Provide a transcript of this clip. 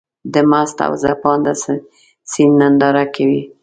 د مست او څپانده سيند ننداره کوې.